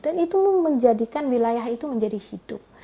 dan itu menjadikan wilayah itu menjadi hidup